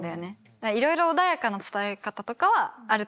だからいろいろ穏やかな伝え方とかはあると思うし。